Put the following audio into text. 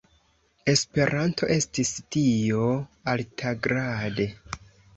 Esperanto estas tio altagrade.